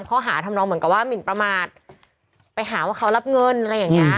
ทำนองเหมือนกับว่าหมินประมาทไปหาว่าเขารับเงินอะไรอย่างเงี้